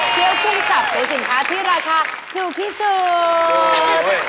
ี้ยวกุ้งสับเป็นสินค้าที่ราคาถูกที่สุด